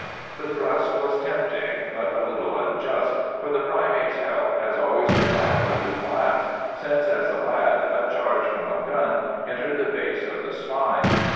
The thrust was tempting, but a little unjust, for the Primate's health has always been liable to collapse since, as a lad, a charge from a gun entered the base of the spine.